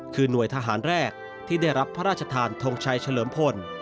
คือหน่วยทหารแรกที่ได้รับพระราชทานทงชัยเฉลิมพล